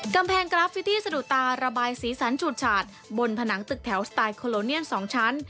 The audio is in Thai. กำแพงกราฟิตี้สะดุตาระบายสีสันฉูดฉาดบนผนังตึกแถวสไตลโคโลเนียน๒ชั้น